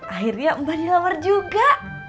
akhirnya mbak dilamar juga